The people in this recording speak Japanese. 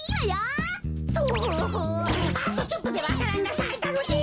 あとちょっとでわか蘭がさいたのに！